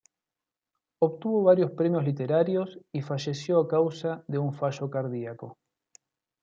Obtuvo varios premios literarios y falleció a causa de un fallo cardíaco.